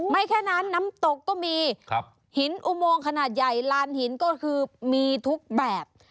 แค่นั้นน้ำตกก็มีหินอุโมงขนาดใหญ่ลานหินก็คือมีทุกแบบ